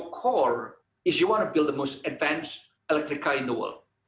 core anda adalah anda ingin membangun mobil elektrik yang lebih maju di dunia